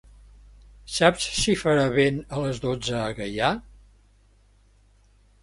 Saps si farà vent a les dotze a Gaià?